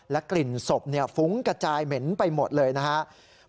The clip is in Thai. กลิ่นศพฟุ้งกระจายเหม็นไปหมดเลยนะครับ